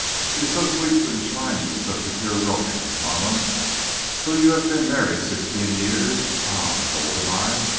It is so sweet to enshrine you in such a pure romance, mamma. Though you have been married sixteen years ah, how old I am!